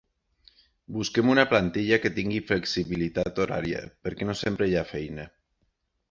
Busquem una plantilla que tingui flexibilitat horària, perquè no sempre hi ha feina.